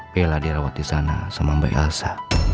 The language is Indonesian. bella dirawat di sana sama mbak elsa